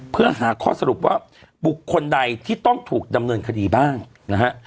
เพื่อหาข้อสรุปว่าบุคคลใดที่ต้องถูกดำเนินคดีบ้างนะฮะ